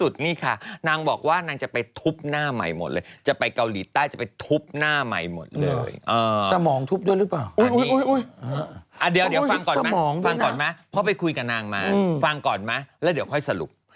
เดี๋ยวฟังก่อนมั้ยฟังก่อนมั้ยพ่อไปคุยกับนางมาฟังก่อนมั้ยแล้วเดี๋ยวค่อยสรุป